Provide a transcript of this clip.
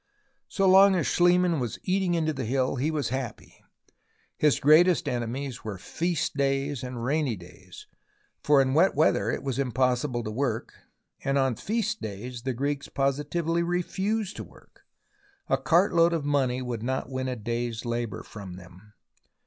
So long as Schliemann was eating into the hill, he was happy. His greatest enemies were feast days and rainy days, for in wet weather it was impossible to work, and on feast days the Greeks positively refused to work — a cart load of money would not win a day's labour from them.